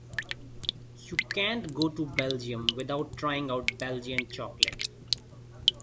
You can't go to Belgium without trying out Belgian chocolate.